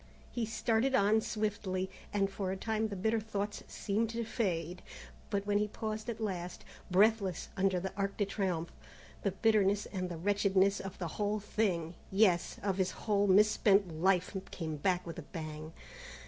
He started on swiftly, and for a time the bitter thoughts seemed to fade, but when he paused at last, breathless, under the Arc de Triomphe, the bitterness and the wretchedness of the whole thing yes, of his whole misspent life came back with a pang.